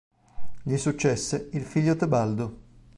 Gli successe il figlio Tebaldo.